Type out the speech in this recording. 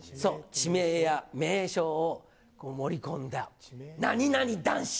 地名や名所を盛り込んだ何々男子。